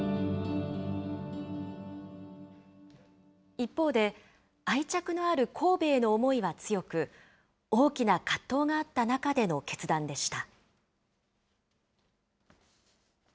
一方で、愛着のある神戸への思いは強く、大きな葛藤があった中での決断でした。